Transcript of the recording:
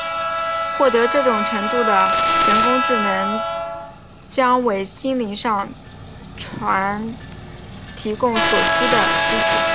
获得这种程度的人工智能将为心灵上传提供所需的基础。